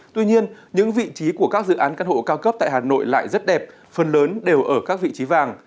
tuy nhiên những vị trí của các dự án căn hộ cao cấp tại hà nội lại rất đẹp phần lớn đều ở các vị trí vàng